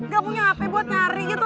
gak punya hp buat nyari gitu